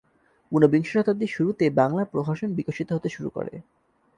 উনবিংশ শতাব্দীর শুরুতে বাংলা প্রহসন বিকশিত হতে শুরু করে।